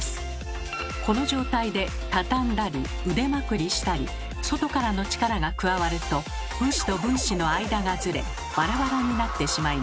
この状態でたたんだり腕まくりしたり外からの力が加わると分子と分子の間がズレバラバラになってしまいます。